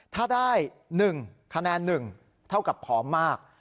ถ้าได้๑คะแนน๑เท่ากับผอมมาก